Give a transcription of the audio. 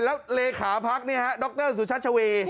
แล้วเลขาพักฯนี่ครับดรสุชัชเว